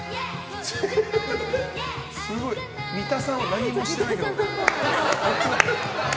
三田さんは何もしてないけど。